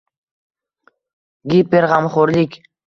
Giperg‘amxo‘rlik.